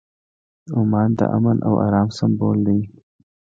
عمان د امن او ارام سمبول دی.